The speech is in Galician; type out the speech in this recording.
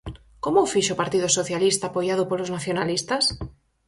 ¿Como o fixo o Partido Socialista apoiado polos nacionalistas?